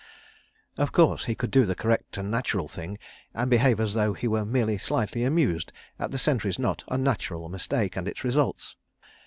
... Of course—he would do the correct and natural thing, and behave as though he were merely slightly amused at the sentry's not unnatural mistake and its results.